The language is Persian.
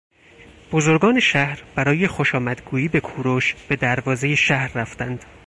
بزرگان شهر برای خوشآمد گویی به کوروش به دروازهی شهر رفتند.